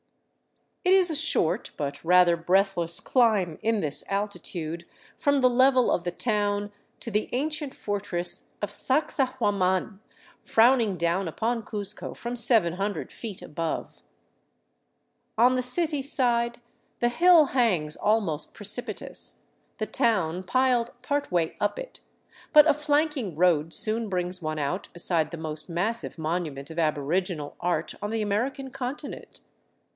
..." It is a short but rather breathless climb in this altitude from the level of the town to the ancient fortress of Sacsahuaman, frowning down upon Cuzco from 700 feet above. On the city side the hill hangs almost precipitous, the town piled part way up it ; but a flanking road 450 THE CITY OF THE SUN soon brings one out beside the most massive monument of aboriginal art on the American continent.